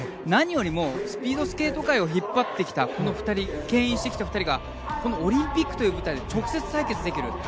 何よりもスピードスケート界を引っ張ってきた２人牽引してきた２人がこのオリンピックという舞台で直接対決できる。